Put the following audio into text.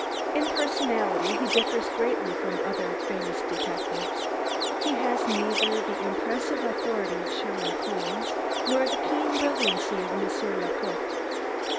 In personality he differs greatly from other famous detectives. He has neither the impressive authority of Sherlock Holmes, nor the keen brilliancy of Monsieur Lecoq.